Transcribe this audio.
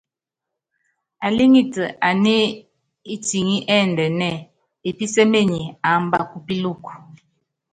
Alíŋitɛ aní itiŋí ɛ́ndɛnɛ́ɛ, epísémenyi, aamba kupíluku.